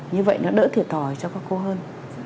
như vậy nó đỡ thiệt thòi cho các cô hơn